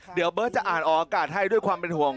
เดี๋ยวเบิร์ตจะอ่านออกอากาศให้ด้วยความเป็นห่วง